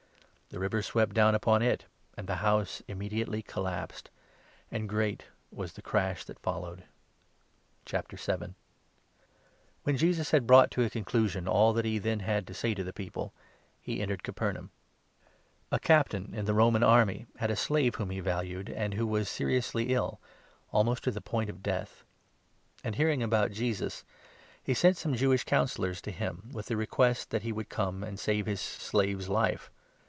The river swept down upon it, and the house immediately collapsed ; and great was the crash that followed." When Jesus had brought to a conclusion all that he then had I to say to the people, he entered Capernaum. LUKE, 7. 119 cure of A Captain in the Roman army had a slave 2 an officer's whom he valued, and who was seriously ill — servant, almost at the point of death. And, hearing about 3 Jesus, he sent some Jewish Councillors to him, with the request that he would come and save his slave's life.